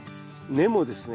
根もですね